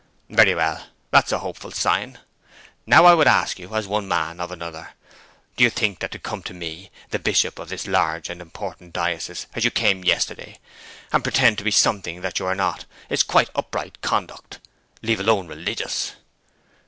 'Very well; that's a hopeful sign. Now I would ask you, as one man of another, do you think that to come to me, the Bishop of this large and important diocese, as you came yesterday, and pretend to be something that you are not, is quite upright conduct, leave alone religious?